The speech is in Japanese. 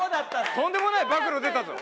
とんでもない暴露出たぞ！